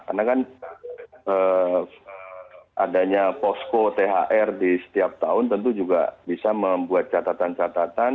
karena kan adanya posko thr di setiap tahun tentu juga bisa membuat catatan catatan